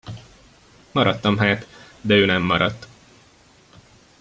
Maradtam hát, de ő nem maradt.